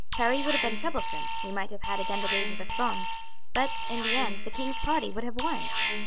Paris would have been troublesome, we might have had again the days of the Fronde, but in the end the king's party would have won.